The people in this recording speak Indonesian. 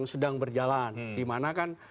jadi itu juga terjadi di dalam kebanyakan hal